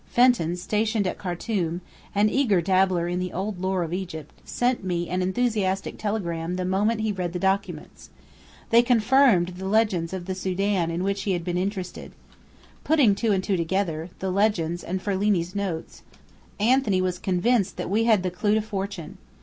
Fenton, stationed at Khartum, an eager dabbler in the old lore of Egypt, sent me an enthusiastic telegram the moment he read the documents. They confirmed legends of the Sudan in which he had been interested. Putting two and two together the legends and Ferlini's notes Anthony was convinced that we had the clue to fortune.